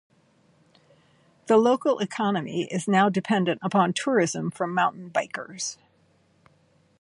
The local economy is now dependent upon tourism from mountain bikers.